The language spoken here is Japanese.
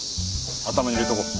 頭に入れておこう。